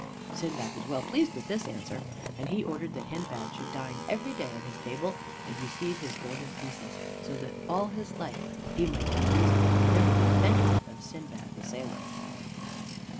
Sindbad was well pleased with this answer, and he ordered that Hindbad should dine every day at his table, and receive his golden pieces, so that all his life he might have reason to remember the adventures of Sindbad the Sailor.